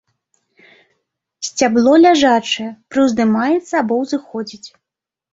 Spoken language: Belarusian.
Сцябло ляжачае, прыўздымаецца або ўзыходзіць.